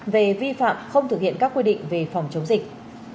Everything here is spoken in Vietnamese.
về vi phạm không thực hiện các quy định về phòng chống dịch